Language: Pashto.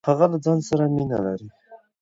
هغه له ځان سره مينه لري.